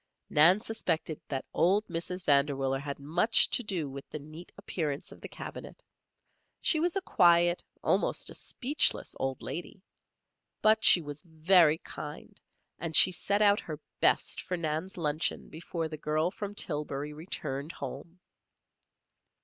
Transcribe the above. Nan suspected that old Mrs. Vanderwiller had much to do with the neat appearance of the cabinet. She was a quiet, almost a speechless, old lady. But she was very kind and she set out her best for Nan's luncheon before the girl from Tillbury returned home.